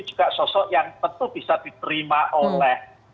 juga sosok yang tentu bisa diterima oleh